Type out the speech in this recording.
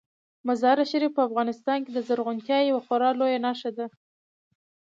مزارشریف په افغانستان کې د زرغونتیا یوه خورا لویه نښه ده.